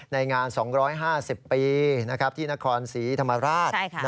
ในงาน๒๕๐ปีนะครับที่นครศรีธรรมดาลาศ